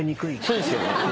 そうですよね。